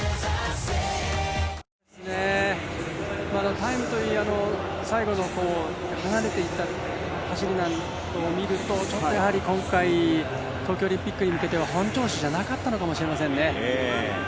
タイムといい、最後の離れていった走りなんですけど、ちょっと今回東京オリンピックに向けては本調子ではなかったのかもしれませんね。